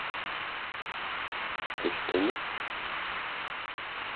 Төштөмө?